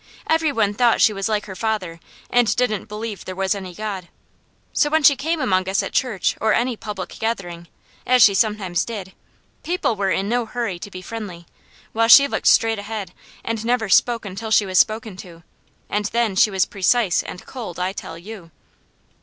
Every one thought she was like her father and didn't believe there was any God; so when she came among us at church or any public gathering, as she sometimes did, people were in no hurry to be friendly, while she looked straight ahead and never spoke until she was spoken to, and then she was precise and cold, I tell you.